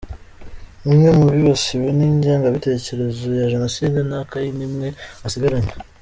Umwe mu bibasiwe n’ingengabitekerezo ya Jenoside nta kayi n’imwe asigaranye.